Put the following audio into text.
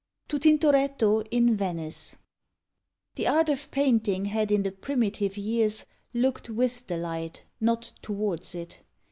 TO TINTORETTO IN VENICE The Art of Painting had in the Primitive years looked with the light, not towards it.